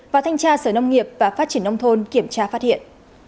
và thanh tra sở nông nghiệp và phát triển nông thôn kiểm tra phát hiện